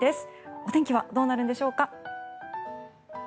お天気はどうなるんでしょうか。